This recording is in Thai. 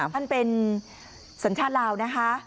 ท่านเป็นสัญชาติลาวนะคะ